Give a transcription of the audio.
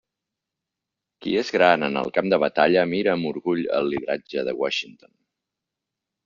Qui és gran en el camp de batalla mira amb orgull el lideratge de Washington.